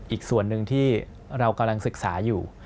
อีกส่วนหนึ่งที่เรากำลังศึกษาอยู่